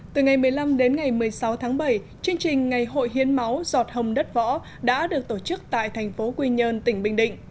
từ ngày một mươi năm đến ngày một mươi sáu tháng bảy chương trình ngày hội hiến máu giọt hồng đất võ đã được tổ chức tại thành phố quy nhơn tỉnh bình định